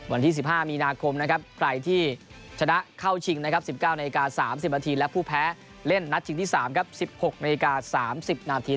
วันที่๑๕มีนาคมนะครับใครที่ชนะเข้าชิงนะครับ๑๙นาที๓๐นาทีและผู้แพ้เล่นนัดชิงที่๓ครับ๑๖นาฬิกา๓๐นาที